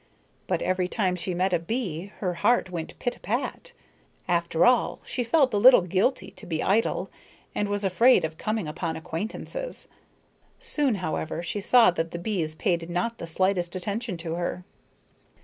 But every time she met a bee, her heart went pit a pat. After all she felt a little guilty to be idle, and was afraid of coming upon acquaintances. Soon, however, she saw that the bees paid not the slightest attention to her.